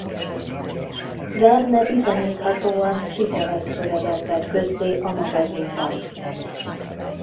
Verne bizonyíthatóan tizenegy szöveget tett közzé a magazinban.